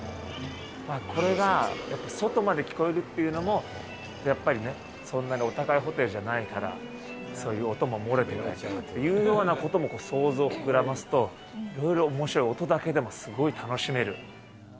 これが外まで聞こえるっていうのも、やっぱりね、そんなにお高いホテルじゃないから、そういう音も漏れているっていうようなことも想像を膨らますと、いろいろおもしろい、音だけでもすごい楽しめる。